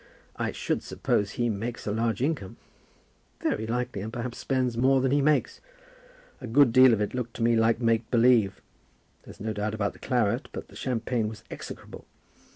"I should suppose he makes a large income." "Very likely, and perhaps spends more than he makes. A good deal of it looked to me like make believe. There's no doubt about the claret, but the champagne was execrable.